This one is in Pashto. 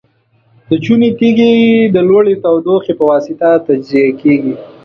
د چونې تیږې د لوړې تودوخې په واسطه تجزیه کیږي.